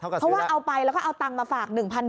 เพราะว่าเอาไปแล้วก็เอาตังค์มาฝาก๑๑๐๐